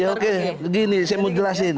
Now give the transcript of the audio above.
oke gini saya mau jelasin